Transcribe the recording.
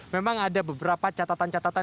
memang ada beberapa catatan catatan